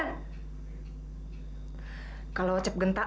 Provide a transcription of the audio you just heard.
tidak lagi bersinggah